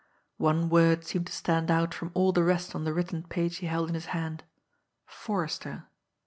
One word seemed to stand out from all the rest on the written page he held in his hand "Forrester."